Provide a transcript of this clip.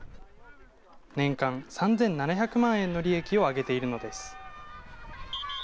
年間３７００万円の利益を上げているのです。